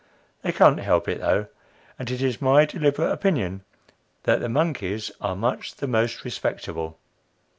They can't help it, though; and it is my deliberate opinion that the monkeys are much the most respectable.